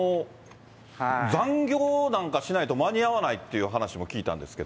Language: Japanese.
残業なんかしないと間に合わないっていう話も聞いたんですけ